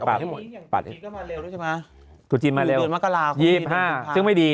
ก็มาเร็วดูใช่ไหมตุ๊กจีนมาเร็วเดือนมะกะลา๒๕ซึ่งไม่ดี